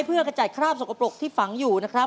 เพื่อกระจายคราบสกปรกที่ฝังอยู่นะครับ